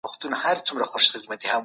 زده کوونکي د درسونو د پیل هیله لرله.